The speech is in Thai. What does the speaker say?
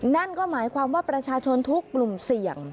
นั่นก็หมายความว่าประชาชนทุกกลุ่มเสี่ยง